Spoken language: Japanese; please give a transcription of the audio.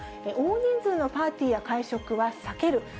大人数のパーティーや会食は避ける。